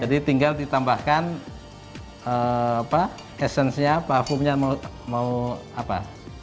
jadi tinggal ditambahkan essence nya parfum nya mau apa